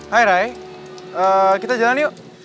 hai rai kita jalan yuk